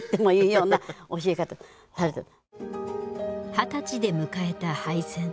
二十歳で迎えた敗戦。